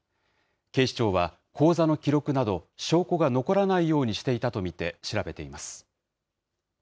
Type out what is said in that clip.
警視庁は、口座の記録など、証拠が残らないようにしていたと見て調べています。